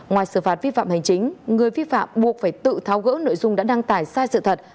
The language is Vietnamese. ngoài xử phạt vi phạm hành chính người vi phạm buộc phải tự tháo gỡ nội dung đã đăng tải sai sự thật